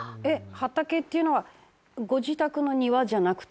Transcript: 畑っていうのはご自宅の庭じゃなくて？